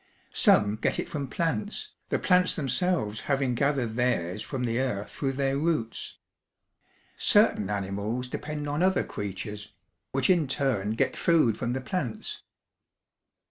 Some get it from plants, the plants themselves having gathered theirs from the earth through their roots. Certain animals depend on other creatures, which in turn get food from the plants.